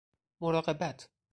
مراقبت